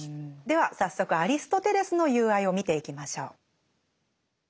では早速アリストテレスの「友愛」を見ていきましょう。